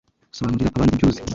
Sobanurira abandi ibyo uzi